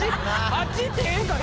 あっちいってええんかな？